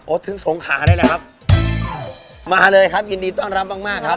โอ๊ยถึงสงขาได้แหละครับมาเลยครับยินดีต้อนรับมากครับ